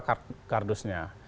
seperti apa kardusnya